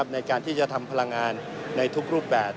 ในการที่จะทำพลังงานในทุกรูปแบบ